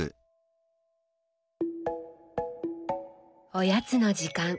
おやつの時間。